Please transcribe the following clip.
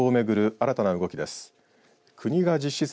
新たな動きです。